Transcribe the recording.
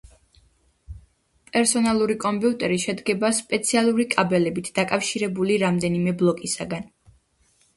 პერსონალური კომპიუტერი შედგება სპეციალური კაბელებით დაკავშირებული რამდენიმე ბლოკისგან.